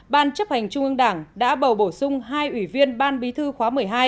ban chấp hành trung ương đảng đã bầu bổ sung hai ủy viên ban bí thư khóa một mươi hai